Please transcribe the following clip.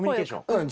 うん。